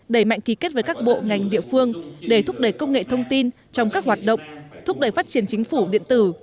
đẩy mạnh ký kết với các bộ ngành địa phương để thúc đẩy công nghệ thông tin trong các hoạt động thúc đẩy phát triển chính phủ điện tử